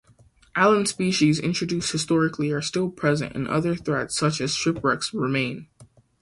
Alien species introduced historically are still present and other threats, such as shipwrecks, remain.